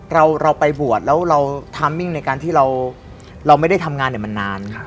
เราไปบวชแล้วเราทามมิ่งในการที่เราไม่ได้ทำงานมันนาน